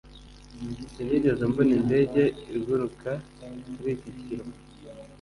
sinigeze mbona indege iguruka kuri iki kirwa